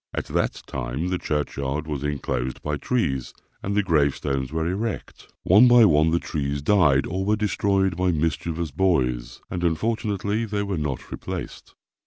At that time the churchyard was enclosed by trees, and the gravestones were erect. One by one the trees died or were destroyed by mischievous boys, and unfortunately they were not replaced.